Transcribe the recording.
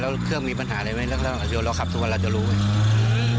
แล้วเครื่องมีปัญหาอะไรไหมแล้วเดี๋ยวเราขับทุกวันเราจะรู้ไหม